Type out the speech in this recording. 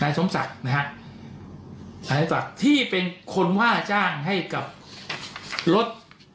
สมศักดิ์นะฮะนายสมศักดิ์ที่เป็นคนว่าจ้างให้กับรถ